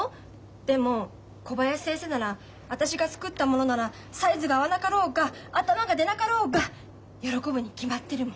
でも小林先生なら私が作ったものならサイズが合わなかろうが頭が出なかろうが喜ぶに決まってるもん。